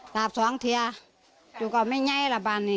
ตาบสองเทียร์จุดก็ไม่ไงละบ้านนี้